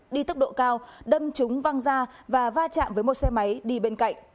đi tốc độ cao đâm chúng văng ra và va chạm với một xe máy đi bên cạnh